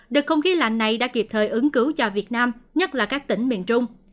đợt không khí lạnh này đã kịp thời ứng cứu cho việt nam nhất là các tỉnh miền trung